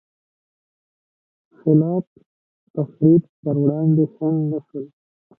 خلا ق تخریب پر وړاندې خنډ نه شول.